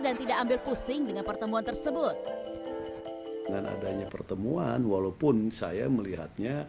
dan tidak ambil pusing dengan pertemuan tersebut dan adanya pertemuan walaupun saya melihatnya